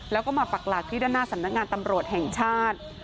แล้วก็มาปักหลักที่ด้านหน้าสำนักงานตำรวจแห่งชาติ